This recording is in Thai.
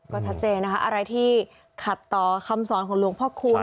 ก็ชัดเจนนะคะอะไรที่ขัดต่อคำสอนของหลวงพ่อคูณ